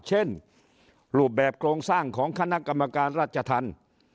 เช่นรูปแบบโครงสร้างของคณะกรรมการราชธรรม